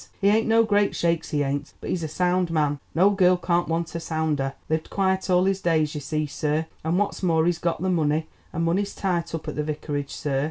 He ain't no great shakes, he ain't, but he's a sound man—no girl can't want a sounder—lived quiet all his days you see, sir, and what's more he's got the money, and money's tight up at the Vicarage, sir.